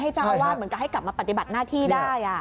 เจ้าอาวาสเหมือนกับให้กลับมาปฏิบัติหน้าที่ได้